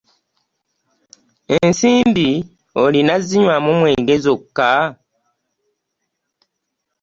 Ensimbi olina zinywa mwenge zokka?